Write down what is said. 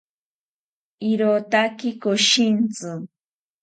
irotaki koshintzi